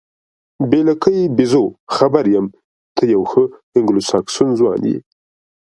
بې لکۍ بیزو، خبر یم، ته یو ښه انګلوساکسون ځوان یې.